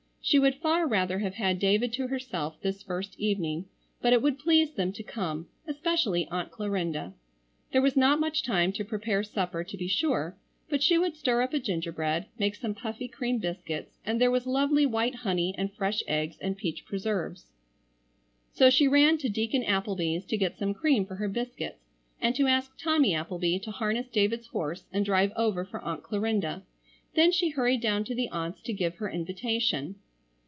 She would far rather have had David to herself this first evening, but it would please them to come, especially Aunt Clarinda. There was not much time to prepare supper to be sure, but she would stir up a gingerbread, make some puffy cream biscuits, and there was lovely white honey and fresh eggs and peach preserves. So she ran to Deacon Appleby's to get some cream for her biscuits and to ask Tommy Appleby to harness David's horse and drive over for Aunt Clarinda. Then she hurried down to the aunts to give her invitation.